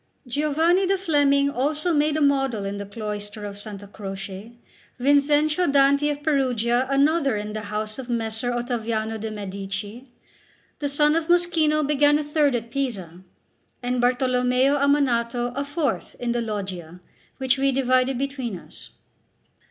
Giovanni the Fleming also made a model in the cloister of S. Croce; Vinzenzio Danti of Perugia another in the house of Messer Ottaviano de' Medici; the son of Moschino began a third at Pisa, and Bartolommeo Ammanato a fourth in the Loggia, which we divided between us.